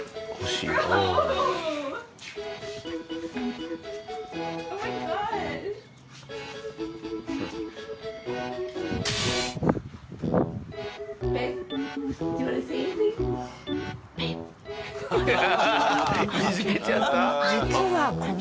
いじけちゃった。